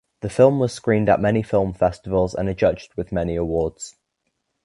The film was screened at many film festivals and adjudged with many awards.